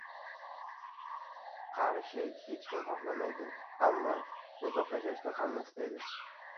Qarishii hech kim xohlamaydi ammo uzoq yashashni hamma istaydi.